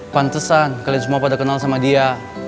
pantesan kalian semua pada kenal sama dia